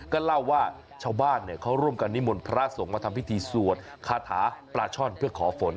ก็เล่าว่าชาวบ้านเขาร่วมกันนิมนต์พระสงฆ์มาทำพิธีสวดคาถาปลาช่อนเพื่อขอฝน